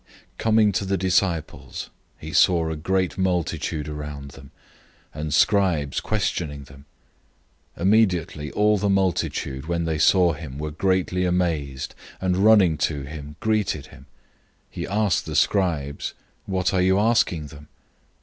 009:014 Coming to the disciples, he saw a great multitude around them, and scribes questioning them. 009:015 Immediately all the multitude, when they saw him, were greatly amazed, and running to him greeted him. 009:016 He asked the scribes, "What are you asking them?"